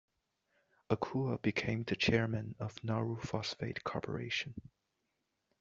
Akua became the Chairman of Nauru Phosphate Corporation.